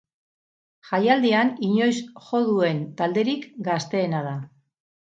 Jaialdian inoiz jo duen talderik gazteena da.